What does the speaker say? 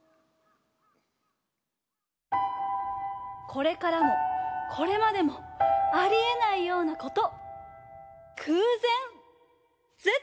これからもこれまでもありえないようなこと。